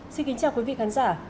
xin kính chào quý vị khán giả